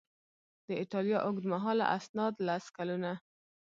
د ایټالیا اوږدمهاله اسناد لس کلونه